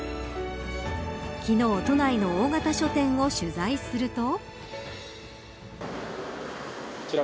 昨日都内の大型書店を取材すると。